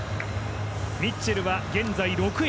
ミッチェルは現在６位。